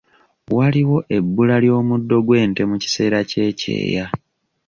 Waliwo ebbula ly'omuddo gw'ente mu kiseera ky'ekyeya.